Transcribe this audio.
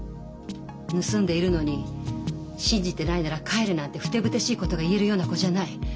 盗んでいるのに「信じてないなら帰れ」なんてふてぶてしいことが言えるような子じゃない。